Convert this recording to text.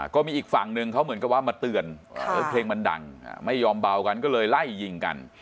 ก็มีอีกฝั่งหนึ่งเขาเหมือนกับว่ามาเตือนแล้วเพลงมันดังไม่ยอมเบากันก็เลยไล่ยิงกัน